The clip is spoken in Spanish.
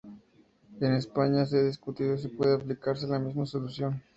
En España se ha discutido si puede aplicarse la misma solución.